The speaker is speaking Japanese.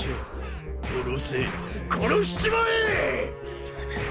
殺せ殺しちまえ！